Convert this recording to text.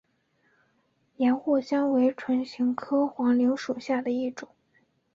岩藿香为唇形科黄芩属下的一个种。